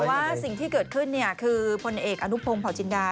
แต่ว่าสิ่งที่เกิดขึ้นคือพลเอกอนุพงศ์เผาจินดา